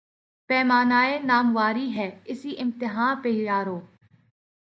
پیمان ء ناموری ہے، اسی امتحاں پہ یارو